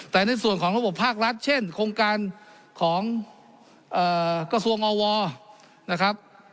แต่ในส่วนของระบบภาครัฐเช่นโครงการของกระทรวงอวนะครับ